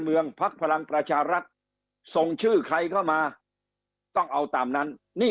เมืองภาคพลังประชารัฐส่งชื่อใครก็มาต้องเอาตามนั้นนี่